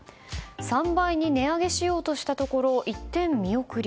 ３倍に値上げしようとしたところ一転、見送り。